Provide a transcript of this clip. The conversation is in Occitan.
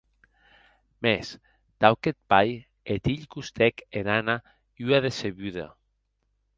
Mès, tau qu'eth pair, eth hilh costèc en Anna ua decebuda.